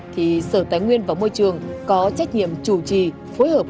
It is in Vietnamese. thì sở tài nguyên và môi trường có trách nhiệm chủ trì phối hợp